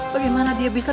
bagaimana dia bisa